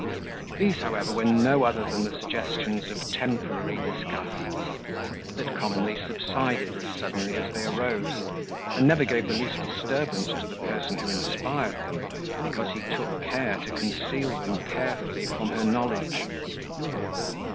These, however, were no other than the suggestions of temporary disgusts, that commonly subsided as suddenly as they arose, and never gave the least disturbance to the person who inspired them, because he took care to conceal them carefully from her knowledge.